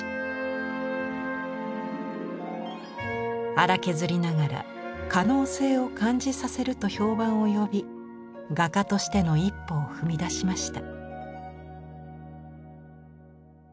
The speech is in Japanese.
「粗削りながら可能性を感じさせる」と評判を呼び画家としての一歩を踏み出しました。